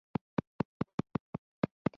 هغه د پوځ په ملاتړ د ټاکنو ګټونکی شو.